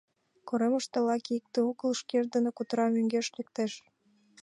Коремыште лаке икте огыл, — шкеж дене кутыра, мӧҥгеш лектеш.